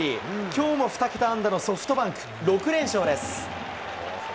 きょうも２桁安打のソフトバンク。６連勝です。